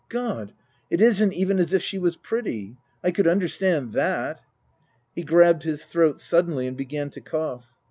" God ! It isn't even as if she was pretty. I could understand that.'' He grabbed his throat suddenly and began to cough.